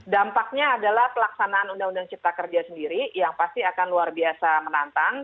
dampaknya adalah pelaksanaan undang undang cipta kerja sendiri yang pasti akan luar biasa menantang